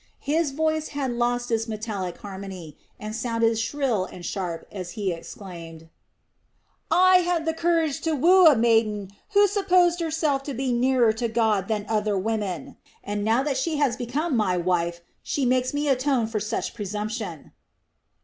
His voice had lost its metallic harmony, and sounded shrill and sharp as he exclaimed: "I had the courage to woo a maiden who supposed herself to be nearer to God than other women, and now that she has become my wife she makes me atone for such presumption."